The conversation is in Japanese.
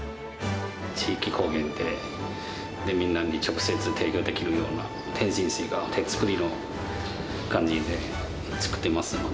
地域貢献で、みんなに直接提供できるような、点心師が手作りの感じで作っていますので。